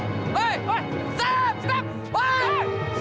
kita udah funny